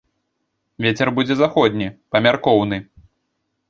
Вецер будзе заходні, памяркоўны.